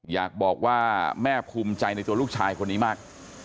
อยากบอกว่าแม่ภูมิใจในตัวลูกชายคนนี้มาก